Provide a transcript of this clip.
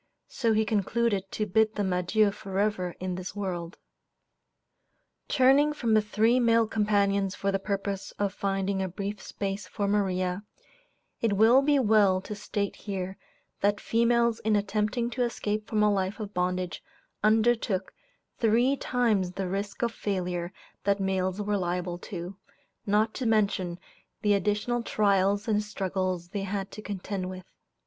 So he concluded to bid them adieu forever in this world. Turning from the three male companions for the purpose of finding a brief space for Maria, it will be well to state here that females in attempting to escape from a life of bondage undertook three times the risk of failure that males were liable to, not to mention the additional trials and struggles they had to contend with.